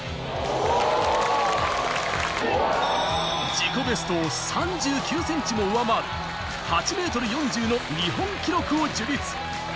自己ベストを３９ｃｍも上回る８ｍ４０の日本記録を樹立。